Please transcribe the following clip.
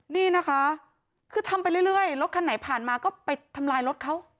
นี่นะคะคือทำไปเรื่อยรถคันไหนผ่านมาก็ไปทำลายรถเขา